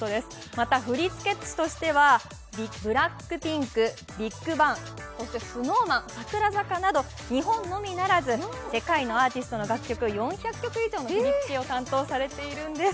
また振り付け師としてはＢＬＡＣＫＰＩＮＫ、ＢＩＧＢＡＮＧ、そしてＳｎｏｗＭａｎ、櫻坂など日本のみならず世界のアーティストの楽曲４００曲以上の振り付けを担当されているんです。